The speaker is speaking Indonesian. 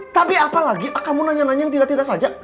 tapi apalagi kamu nanya nanya yang tidak tidak saja